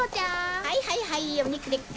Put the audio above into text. はいはいはいお肉でっか？